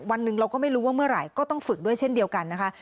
วันหนึ่งเราก็ไม่รู้ว่าเมื่อไหร่ก็ต้องฝึกด้วยเช่นเดียวกันนะคะ